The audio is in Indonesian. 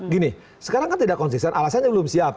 gini sekarang kan tidak konsisten alasannya belum siap